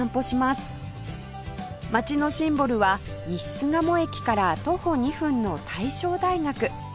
街のシンボルは西巣鴨駅から徒歩２分の大正大学